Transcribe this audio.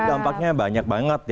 dampaknya banyak banget ya